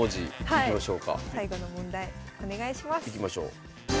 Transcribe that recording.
いきましょう。